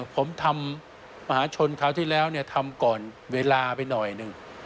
ผมทำมหาชนคราวที่แล้วทำก่อนเวลาไปหน่อยหนึ่ง